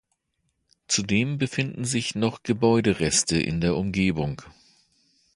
Zudem befinden sich noch Gebäudereste in der Umgebung.